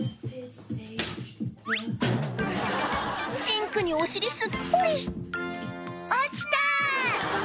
シンクにお尻すっぽり「落ちた！」